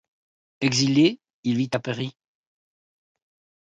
Exilé, il vit à Paris.